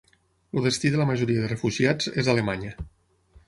El destí de la majoria de refugiats és Alemanya